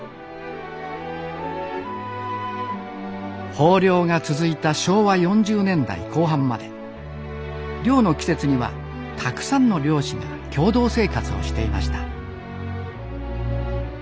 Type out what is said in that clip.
豊漁が続いた昭和４０年代後半まで漁の季節にはたくさんの漁師が共同生活をしていました。